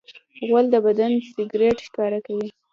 غول د بدن سګرټ ښکاره کوي.